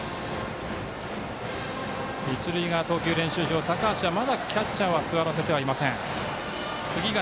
一塁側、投球練習場まだキャッチャーを座らせてはいません。